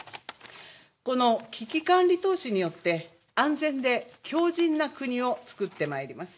この危機管理投資によって安全で強じんな国をつくってまいります。